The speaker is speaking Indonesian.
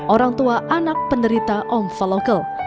orang tua anak penderita omfalocal